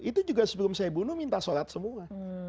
itu juga sebelum saya bunuh minta sholat semua